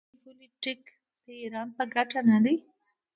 آیا جیوپولیټیک د ایران په ګټه نه دی؟